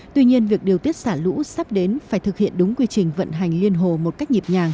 tuy nhiên việc điều tiết xả lũ sắp đến phải thực hiện đúng quy trình vận hành liên hồ một cách nhịp nhàng